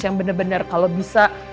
yang benar benar kalau bisa